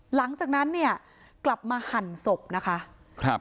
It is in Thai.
หลังจากนั้นกลับมาหั่นสบนะคะ